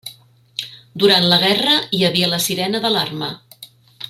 Durant la guerra hi havia la sirena d'alarma.